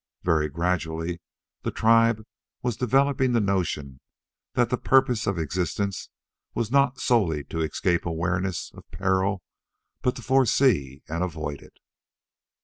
Very gradually the tribe was developing the notion that the purpose of existence was not solely to escape awareness of peril, but to foresee and avoid it.